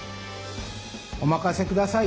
おまかせください